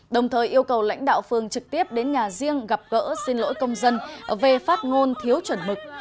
đồng thời yêu cầu lãnh đạo phường trực tiếp đến nhà riêng gặp gỡ xin lỗi công dân về phát ngôn thiếu chuẩn mực